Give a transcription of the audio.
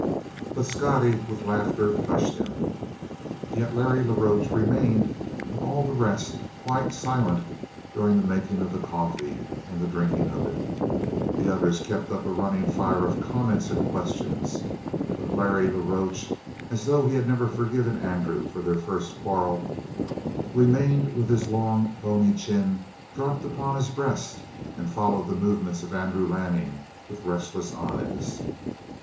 But Scottie, with laughter, hushed him. Yet Larry la Roche remained of all the rest quite silent during the making of the coffee and the drinking of it. The others kept up a running fire of comments and questions, but Larry la Roche, as though he had never forgiven Andrew for their first quarrel, remained with his long, bony chin dropped upon his breast and followed the movements of Andrew Lanning with restless eyes.